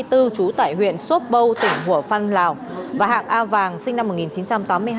trú tại huyện sốt bâu tỉnh hủa phan lào và hạc a vàng sinh năm một nghìn chín trăm tám mươi hai